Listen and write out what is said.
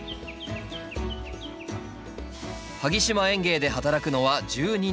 萩島園芸で働くのは１２人。